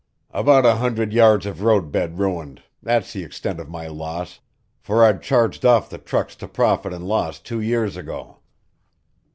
About a hundred yards of roadbed ruined that's the extent of my loss, for I'd charged off the trucks to profit and loss two years ago."